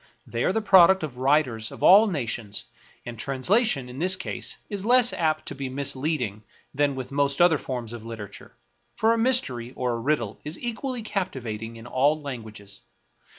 They are the product of writers of all nations ; and translation, in this case, is less apt to be misleading than with most other forms of literature, for a mystery or a riddle is equally captivating in all languages.